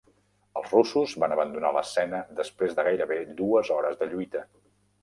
Els russos van abandonar l'escena després de gairebé dues hores de lluita.